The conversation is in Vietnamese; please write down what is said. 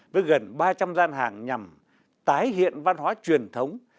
với gần ba trăm linh gian hàng nhằm tái hiện văn hóa truyền thống